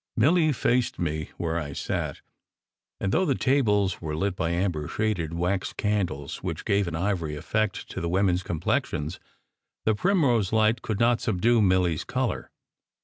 Milly faced me where I sat, and though the tables were lit by amber shaded wax candles which gave an ivory effect to the women s complexions, the primrose light could not subdue Milly s colour.